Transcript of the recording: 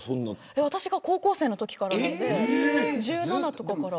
私が高校生のときなんで１７とかから。